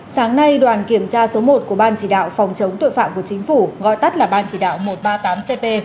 sáng nay đoàn kiểm tra số một của ban chỉ đạo phòng chống tội phạm của chính phủ gọi tắt là ban chỉ đạo một trăm ba mươi tám cp